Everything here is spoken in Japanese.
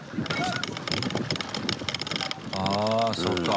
ああそうか。